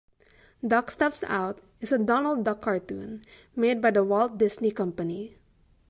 Duck Steps Out is a Donald Duck cartoon made by The Walt Disney Company.